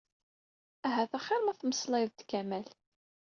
Ahat axir ma temmeslayeḍ d Kamal.